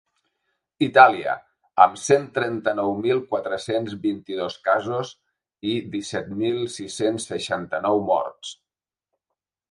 Itàlia, amb cent trenta-nou mil quatre-cents vint-i-dos casos i disset mil sis-cents seixanta-nou morts.